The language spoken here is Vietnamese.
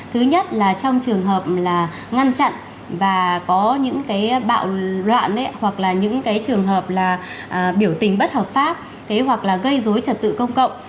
thứ nhất là trong trường hợp là ngăn chặn và có những cái bạo loạn hoặc là những cái trường hợp là biểu tình bất hợp pháp hoặc là gây dối trật tự công cộng